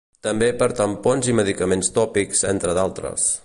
També per tampons i medicaments tòpics entre d’altres.